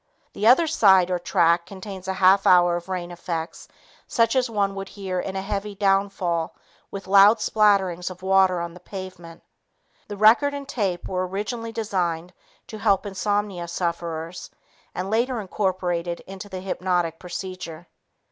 The other side or track contains a half hour of rain effects such as one would hear in a heavy downfall with loud splatterings of water on the pavement. The record and tape were originally designed to help insomnia sufferers and later incorporated into the hypnotic procedure.